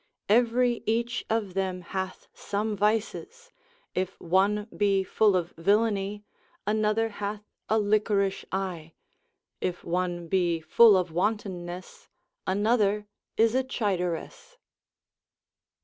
Every each of them hath some vices, If one be full of villainy, Another hath a liquorish eye, If one be full of wantonness, Another is a chideress.